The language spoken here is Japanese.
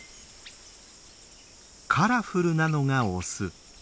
カラフルなのがオス。